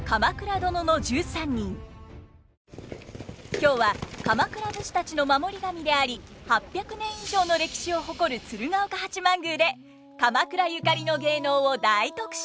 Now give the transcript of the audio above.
今日は鎌倉武士たちの守り神であり８００年以上の歴史を誇る鶴岡八幡宮で鎌倉ゆかりの芸能を大特集！